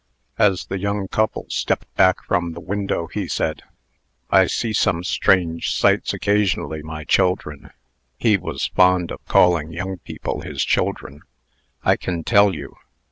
As the young couple stepped back from the window, he said: "I see some strange sights occasionally, my children" (he was fond of calling young people his children), "I can tell you.